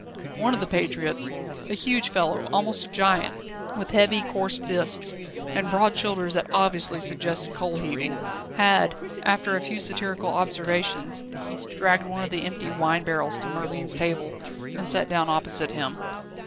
One of the patriots, a huge fellow, almost a giant, with heavy, coarse fists and broad shoulders that obviously suggested coal heaving, had, after a few satirical observations, dragged one of the empty wine barrels to Merlin's table, and sat down opposite him.